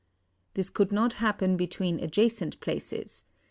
This could not happen between adjacent places.